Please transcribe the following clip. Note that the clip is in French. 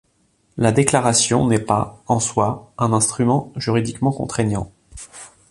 La Déclaration n’est pas, en soi, un instrument juridiquement contraignant.